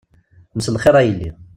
Mselxir a yelli.